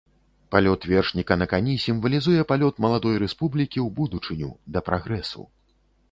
Палёт вершніка на кані сімвалізуе палёт маладой рэспублікі ў будучыню, да прагрэсу.